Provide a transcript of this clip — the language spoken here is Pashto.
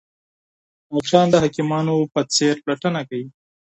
ډاکټران د حکیمانو په څېر پلټنه کوي.